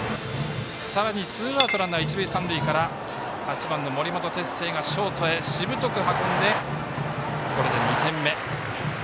さらにツーアウトランナー、一塁三塁から８番の森本哲星がショートへしぶとく運んでこれで２点目。